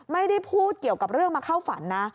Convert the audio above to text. ไม่ได้พูดเกี่ยวกับเรื่องมาเข้าฝันนะ